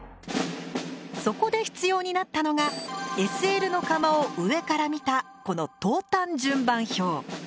そこで必要になったのがＳＬの窯を上から見たこの投炭順番表。